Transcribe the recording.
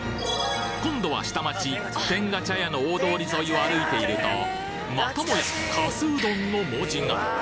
今度は下町天下茶屋の大通り沿いを歩いているとまたもやかすうどんの文字が！